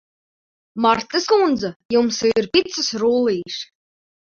Martas kundze, jums ir picas rullīši?